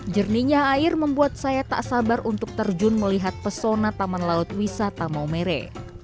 jernihnya air membuat saya tak sabar untuk terjun melihat pesona taman laut wisata maumere